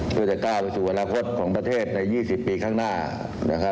เพื่อจะก้าวไปสู่อนาคตของประเทศใน๒๐ปีข้างหน้านะครับ